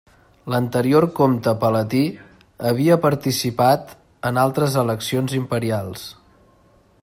L'anterior comte palatí havia participat en altres eleccions Imperials.